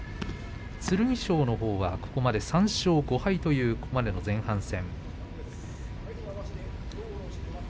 剣翔のほうは、ここまで３勝５敗という前半戦。